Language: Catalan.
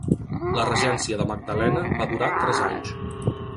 La regència de Magdalena va durar tres anys.